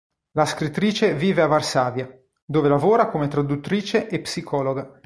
La scrittrice vive a Varsavia, dove lavora come traduttrice e psicologa.